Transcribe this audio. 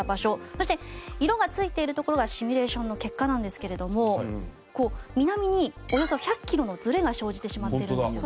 そして色が付いている所がシミュレーションの結果なんですけれども南におよそ１００キロのズレが生じてしまってるんですよね。